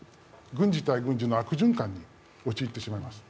軍事対軍事の悪循環に陥ってしまいます。